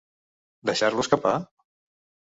Deixar-lo escapar?